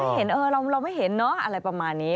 ไม่เห็นเราไม่เห็นอะไรประมาณนี้